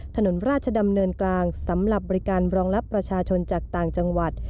ถนนราชดำเนินกลางสำหรับบริการรองรับประชาชนจากต่างจังหวัด